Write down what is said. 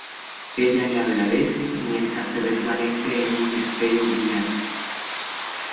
Ella le agradece mientras se desvanece en un destello brillante.